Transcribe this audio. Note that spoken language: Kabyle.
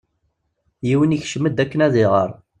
Yiwen ikcem-d akken ad iɣer.